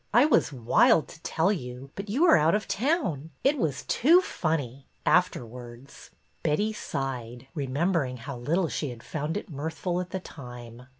I was wild to tell you, but you were out of town. It was too funny — afterwards." Betty sighed, remembering how little she had found it mirthful at the time.